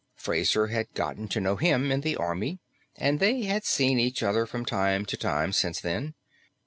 Fraser had gotten to know him in the army, and they had seen each other from time to time since then.